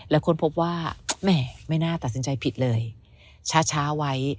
แล้วค้นพบว่าแหมไม่น่าตัดสินใจผิดเลยช้าไว้